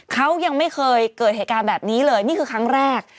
เขายังไม่เคยเกิดเหตุการณ์แบบนี้เลยนี่คือครั้งแรก